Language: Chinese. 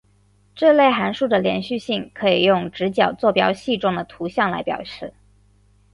这类函数的连续性可以用直角坐标系中的图像来表示。